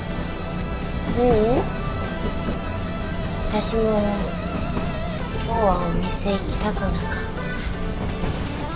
私も今日はお店行きたくなか。